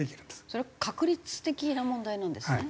それは確率的な問題なんですね。